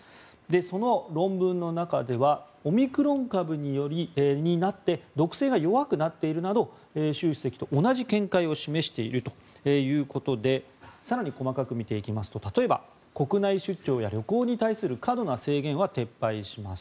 その論文の中ではオミクロン株になって毒性が弱くなっているなど習主席と同じ見解を示しているということで更に、細かく見ていきますと例えば、国内出張や旅行に対する過度な制限を撤廃します。